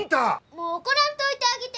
もう怒らんといてあげて。